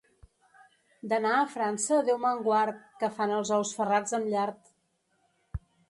D'anar a França, Déu me'n guard, que fan els ous ferrats amb llard.